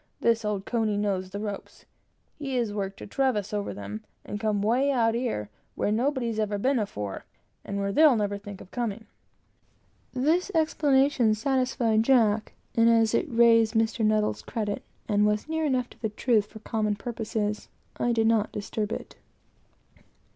This old covey knows the ropes. He has worked a traverse over 'em, and come 'way out here, where nobody's ever been afore, and where they'll never think of coming." This explanation satisfied Jack; and as it raised Mr. N.'s credit for capacity, and was near enough to the truth for common purposes, I did not disturb it.